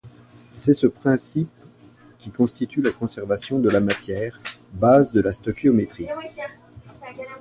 C'est ce principe qui constitue la conservation de la matière, base de la stœchiométrie.